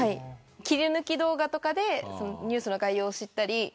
切り抜き動画とかでニュースの概要を知ったり。